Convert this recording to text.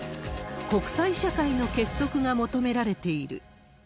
国際社会の結束が求められている。